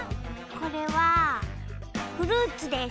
これはフルーツです。